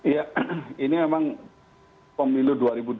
ya ini memang pemilu dua ribu dua puluh